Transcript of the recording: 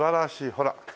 ほら。